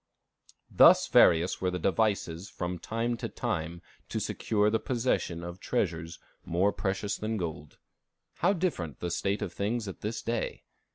Thus various were the devices from time to time to secure the possession of treasures more precious than gold. How different the state of things at this day!